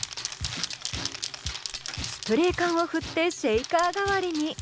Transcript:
スプレー缶を振ってシェーカー代わりに。